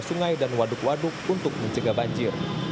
sungai dan waduk waduk untuk mencegah banjir